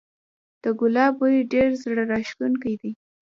د ګلاب بوی ډیر زړه راښکونکی دی